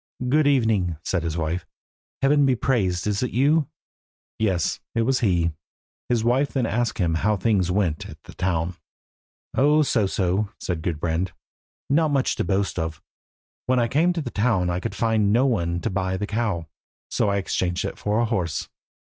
"Good evening," said his wife. "Heaven be praised. Is it you?" Yes, it was he. His wife then asked him how things went at the town. "Oh, but so so," said Gudbrand, "not much to boast of. When I came to the town I could find no one to buy the cow, so I exchanged it for a horse."